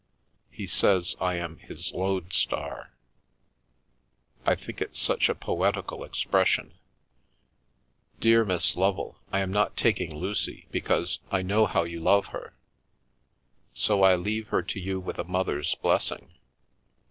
He says I am his ' load star/ I think it such a poetical expression. Dear Miss Lovel, I am not taking Lucy, because I know how you love her, so I leave her to you with a mother's blessing.